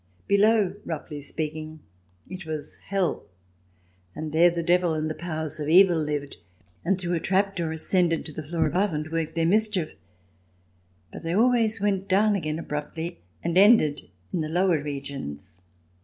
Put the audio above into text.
Below, roughly speaking, it was Hell, and there the Devil and the powers of Evil lived, and through a trap door ascended to the floor above and worked their mischief But they always went down again abruptly and ended in the lower regions.